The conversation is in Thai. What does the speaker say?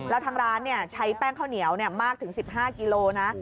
แล้วทางร้านใช้แป้งข้าวเหนียวมากถึง๑๕กิโลนะ